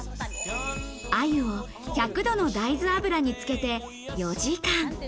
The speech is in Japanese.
鮎を１００度の大豆油につけて４時間。